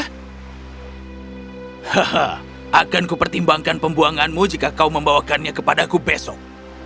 haha akanku pertimbangkan pembuanganmu jika kau membawakannya kepadaku besok